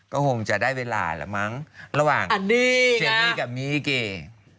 ก็คงจะได้เวลาละมั้งระหว่างเจนี่กับมีลิเก